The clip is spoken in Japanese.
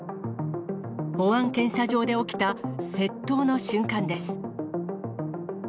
保安検査場で起きた窃盗の瞬間です。